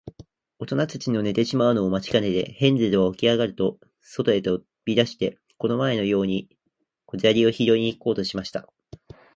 おとなたちの寝てしまうのを待ちかねて、ヘンゼルはおきあがると、そとへとび出して、この前のように小砂利をひろいに行こうとしました。